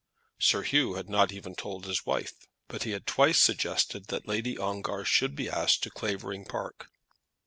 Sir Hugh had not even told his wife, but he had twice suggested that Lady Ongar should be asked to Clavering Park.